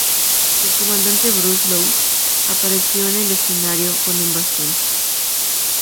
El cantante Bruce Loose apareció en el escenario con un bastón.